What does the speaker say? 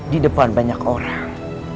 di depan banyak orang